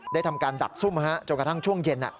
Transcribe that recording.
ทำการดักซุ่มจนกระทั่งช่วงเย็น